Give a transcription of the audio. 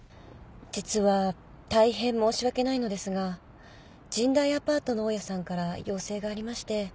実は大変申し訳ないのですが神代アパートの大家さんから要請がありまして。